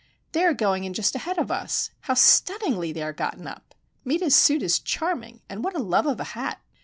"They are going in just ahead of us. How stunningly they are gotten up! Meta's suit is charming, and what a love of a hat!"